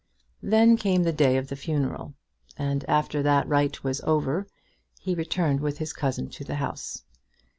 Then came the day of the funeral, and after that rite was over he returned with his cousin to the house.